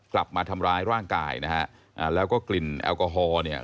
กลับมาทำร้ายร่างกายนะฮะอ่าแล้วก็กลิ่นแอลกอฮอล์เนี่ย